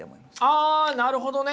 あなるほどね！